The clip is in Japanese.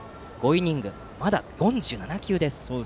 ５イニングで、まだ４７球です。